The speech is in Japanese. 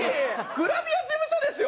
グラビア事務所ですよ